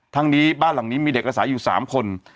ทั้งนี้บ้านหลังนี้มีเด็กอาศัยอยู่๓คน